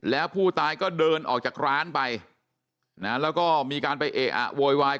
แล้วผู้ตายก็เดินออกจากร้านไปนะแล้วก็มีการไปเอะอะโวยวาย